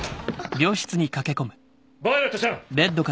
ヴァイオレットちゃん！